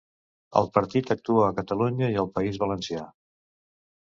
El partit actua a Catalunya i al País Valencià.